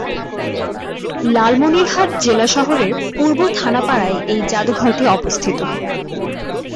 লালমনিরহাট জেলা শহরের পূর্ব থানাপাড়ায় এই জাদুঘরটি অবস্থিত।